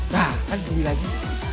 dah kan duri lagi